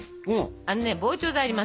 あのね膨張剤あります。